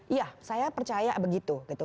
iya saya percaya begitu